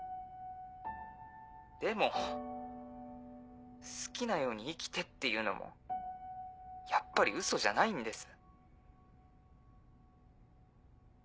でも「好きなように生きて」っていうのもやっぱりウソじゃないんです。